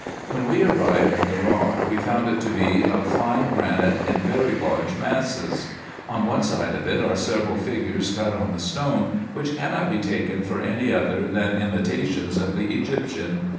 When we arrived at the rock, we found it to be of fine granite in very large masses. On one side of it are several figures cut on the stone, which cannot be taken for any other than imitations of the Egyptian.